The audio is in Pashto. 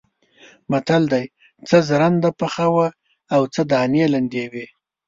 متل دی: څه ژرنده پڅه وه او څه دانې لندې وې.